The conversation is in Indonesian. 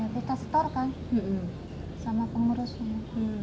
kita setorkan sama pengurusnya